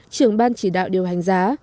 trưởng ban chỉ đạo điều hành giá